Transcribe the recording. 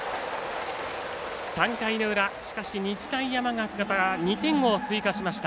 ３回の裏、しかし日大山形が２点を追加しました。